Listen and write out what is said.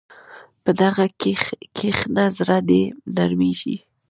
په دعا کښېنه، زړه دې نرمېږي.